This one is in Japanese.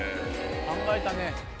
考えたね。